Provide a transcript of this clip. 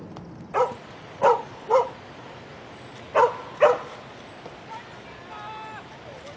あっああっ